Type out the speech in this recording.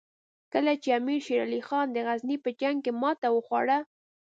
کله چې امیر شېر علي خان د غزني په جنګ کې ماته وخوړه.